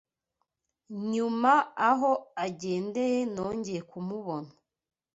Nyuma aho agendeye nongeye kumubona